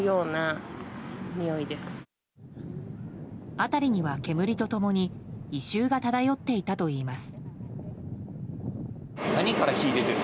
辺りには、煙と共に異臭が漂っていたといいます。